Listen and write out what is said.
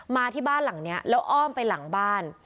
มาที่บ้านหลังนี้แล้วอ้อมไปหลังบ้าน